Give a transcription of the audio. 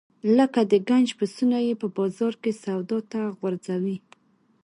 لکه د ګنج پسونه یې په بازار کې سودا ته غورځوي.